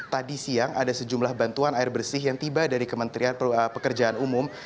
tadi siang ada sejumlah bantuan air bersih yang tiba dari kementerian pekerjaan umum